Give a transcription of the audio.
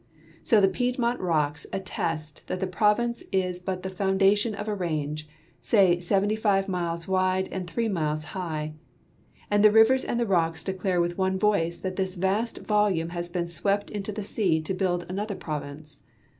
So the Piedmont rocks attest that the ])i'ovince is but the foundation of a range, say 75 miles wide and 3 miles high ; and the rivers and the rocks declare with one voice that this vast volume has been swept into the sea to build another province.